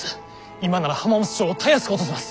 今なら浜松城をたやすく落とせます！